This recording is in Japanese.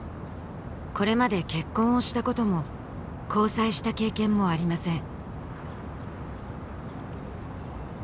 これまで結婚をしたことも交際した経験もありません